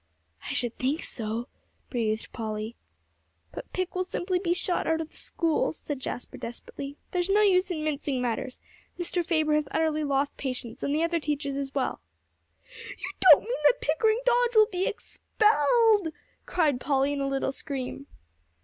"I should think so," breathed Polly. "But Pick will simply be shot out of the school," said Jasper desperately; "there's no use in mincing matters. Mr. Faber has utterly lost patience; and the other teachers as well." "You don't mean that Pickering Dodge will be expelled?" cried Polly in a little scream.